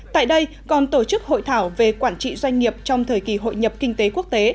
tại đây còn tổ chức hội thảo về quản trị doanh nghiệp trong thời kỳ hội nhập kinh tế quốc tế